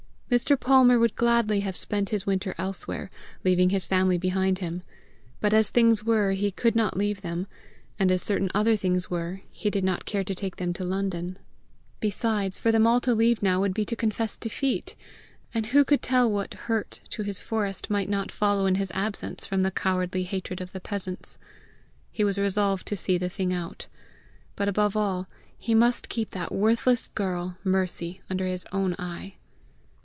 Mr. Palmer would gladly have spent his winter elsewhere, leaving his family behind him; but as things were, he could not leave them, and as certain other things were, he did not care to take them to London. Besides, for them all to leave now, would be to confess defeat; and who could tell what hurt to his forest might not follow in his absence from the cowardly hatred of the peasants! He was resolved to see the thing out. But above all, he must keep that worthless girl, Mercy, under his own eye!